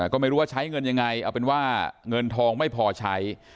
ก็ไม่รู้ว่าใช้เงินยังไงเอาเป็นว่าเงินทองไม่พอใช้